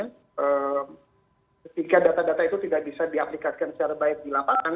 ketika data data itu tidak bisa diaplikasikan secara baik di lapangan